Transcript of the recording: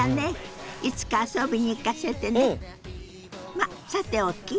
まあさておき